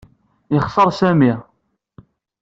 Yexṣer Sami.